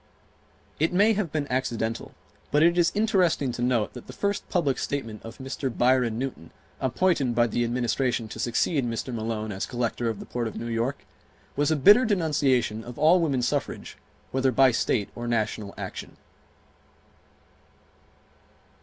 It may have been accidental but it is interesting to note that the first public statement of Mr. Byron Newton, appointed by the Administration to succeed Mr. Malone as Collector of the Port of New York, was a bitter denunciation of all woman suffrage whether by state or national action.